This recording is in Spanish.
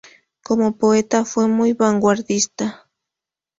Como poeta fue muy vanguardista.